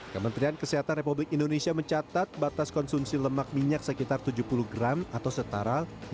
kementerian kesehatan republik indonesia mencatat batas konsumsi lemak minyak sekitar tujuh puluh gram atau setara